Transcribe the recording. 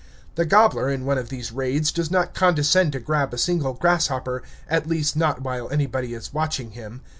The gobbler, in one of these raids, does not condescend to grab a single grasshopper, at least, not while anybody is watching him.